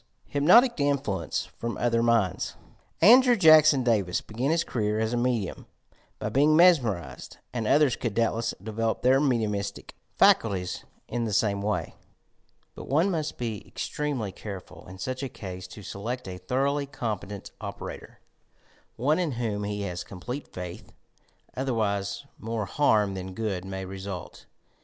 HYPNOTIC INFLUENCE PEOM OTHBB MINDS Andrew Jackson Davis began his career as a medium by being mesmerized, and others could doubtless develop their mediumiatic faculties in the same way; but one must be extremely careful in such a ease to select a thoroughly competent operator, — one in whom he has complete faith, otherwise more barm than good may result.